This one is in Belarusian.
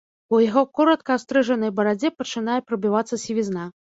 У яго коратка астрыжанай барадзе пачынае прабівацца сівізна.